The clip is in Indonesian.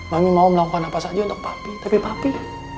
kami mau melakukan apa saja untuk papi tapi papi